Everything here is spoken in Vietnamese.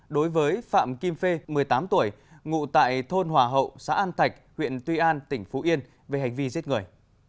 đối với phạm kim phê một mươi tám tuổi ngụ tại thôn hòa hậu xã an thạch huyện tuy an tỉnh phú yên về hành vi giết người